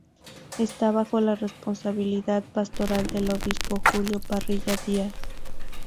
Esta bajo la responsabilidad pastoral del obispo Julio Parrilla Díaz.